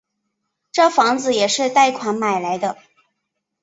这房子也是贷款买来的